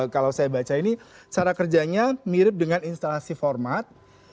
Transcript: kalau saya baca ini cara kerjanya mirip dengan instalasi format